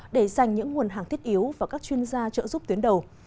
để dành những nguồn hàng thiết yếu và các chuyên gia trợ giúp tuyến đầu